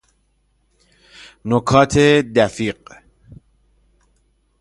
نکات دفیق